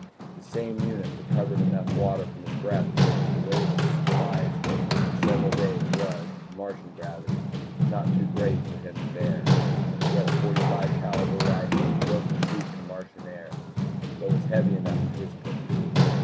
The same unit recovered enough water from his breath so that the weight of supplies for several days was, in Martian gravity, not too great for him to bear. He had a .45 rifle built to shoot in Martian air, that was heavy enough for his purposes.